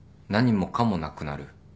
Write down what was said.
何もかもなくなる。